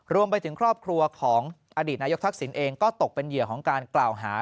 รวมไปถึงครอบครัวของอดีตนายกทักษิณเองก็ตกเป็นเหยื่อของการกล่าวหา